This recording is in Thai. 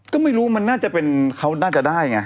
ก็ไม่รู้มันน่าจะเป็นเขาน่าจะได้ไง